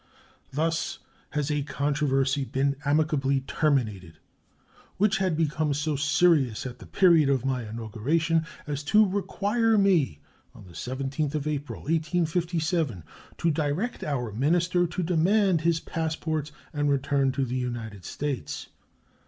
Thus has a controversy been amicably terminated which had become so serious at the period of my inauguration as to require me, on the 17th of April, 1857, to direct our minister to demand his passports and return to the United States.